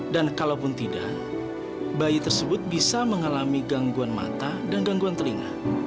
dan kalaupun tidak bayi tersebut bisa mengalami gangguan mata dan gangguan telinga